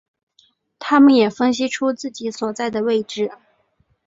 他们也分析出自己所在的位置。